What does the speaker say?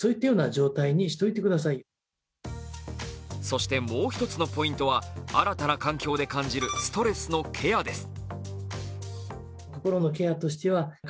そして、もう一つのポイントは、新たな環境で感じるストレスのケアです。